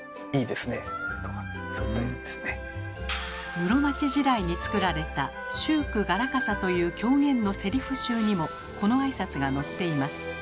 室町時代に作られた「秀句傘」という狂言のせりふ集にもこの挨拶が載っています。